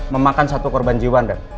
memakan satu korban jiwa anda